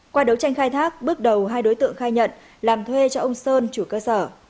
qua đấu tranh khai thác bước đầu hai đối tượng khai nhận làm thuê cho ông sơn chủ cơ sở